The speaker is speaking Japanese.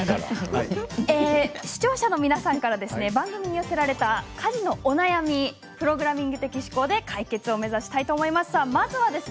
視聴者の皆さんから番組に寄せられた家事のお悩みプログラミング的思考で解決を目指したいと思います。